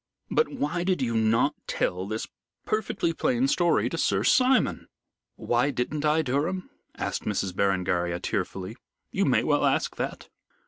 "But why did you not tell this perfectly plain story to Sir Simon?" "Why didn't I, Durham?" asked Miss Berengaria tearfully. "You may well ask that.